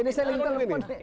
ini saya telepon